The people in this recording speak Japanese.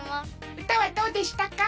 うたはどうでしたか？